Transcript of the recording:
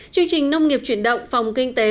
chương trình nông nghiệp chuyển động phòng kinh tế